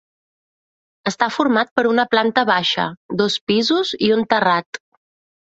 Està format per una planta baixa, dos pisos i un terrat.